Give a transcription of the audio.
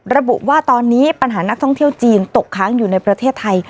ระบุว่าตอนนี้ปัญหานักท่องเที่ยวจีนตกค้างอยู่ในประเทศไทย